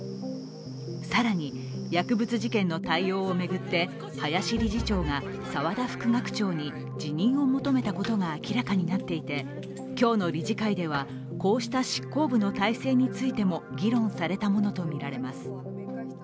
さらに薬物事件の対応を巡って、林理事長が沢田副学長に辞任を求めたことが明らかになっていて今日の理事会ではこうした執行部の体制についても議論されたものとみられます。